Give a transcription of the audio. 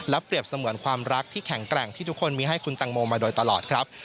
เปรียบเสมือนความรักที่แข็งแกร่งที่ทุกคนมีให้คุณตังโมมาโดยตลอดครับ